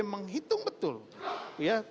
menghitung betul ya